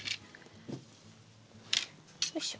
よいしょ。